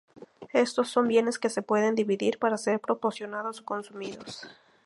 Estos son bienes que se pueden dividir para ser proporcionados o consumidos.